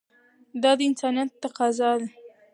دا د انسانیت تقاضا ده.